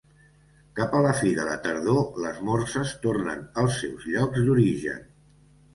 Cap a la fi de la tardor, les morses tornen als seus llocs d'origen.